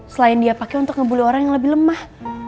selain dia pakai untuk ngebully orang yang lebih lemah